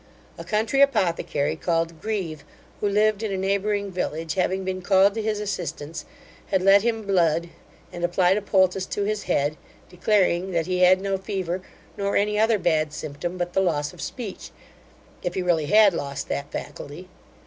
A country apothecary, called Grieve, who lived in a neighbouring village, having been called to his assistance, had let him blood, and applied a poultice to his head, declaring, that he had no fever, nor any other bad symptom but the loss of speech, if he really had lost that faculty.